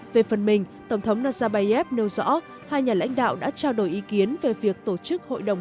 về phần mình tổng thống nazarbayev nêu rõ hai nhà lãnh đạo đã trao đổi ý kiến về việc tổ chức hội đồng